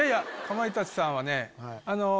かまいたちさんは。